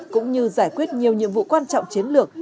cũng như giải quyết nhiều nhiệm vụ quan trọng chiến lược